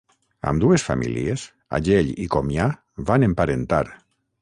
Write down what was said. Ambdues famílies, Agell i Comià, van emparentar.